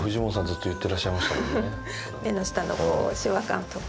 ずっと言ってらっしゃいましたもんね。